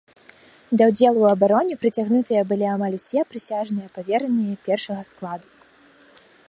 Да ўдзелу ў абароне прыцягнутыя былі амаль усе прысяжныя павераныя першага складу.